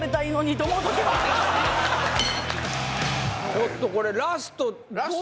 ちょっとこれ。